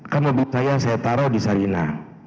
kan mobil saya saya taruh di sarina